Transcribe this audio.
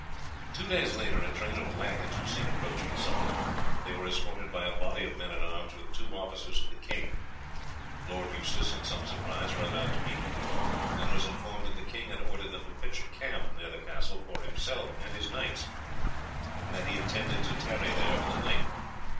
Two days later a train of waggons was seen approaching Summerley; they were escorted by a body of men at arms with two officers of the king. Lord Eustace, in some surprise, rode out to meet them, and was informed that the king had ordered them to pitch a camp near the castle for himself and his knights, and that he intended to tarry there for the night.